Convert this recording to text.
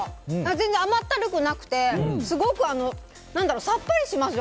全然甘ったるくなくてすごくさっぱりします。